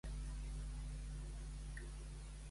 Em confirmes que a les onze m'he de prendre la melatonina?